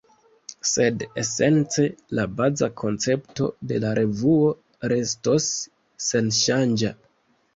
Sed esence la baza koncepto de la revuo restos senŝanĝa.